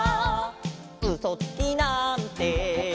「うそつきなんて」